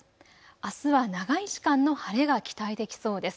あすは長い時間の晴れが期待できそうです。